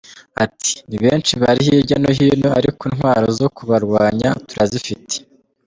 Ati “Ni benshi; bari hirya no hino ariko intwaro zo kubarwanya turazifite.